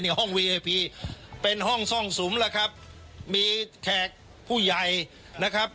ห้องวีไอพีเป็นห้องซ่องสุมแล้วครับมีแขกผู้ใหญ่นะครับ